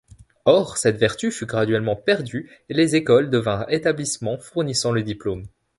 Or, cette vertu fut graduellement perdue et les écoles devinrent établissements fournissant le diplôme.